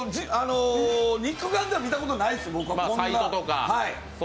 肉眼では見たことないですこんな。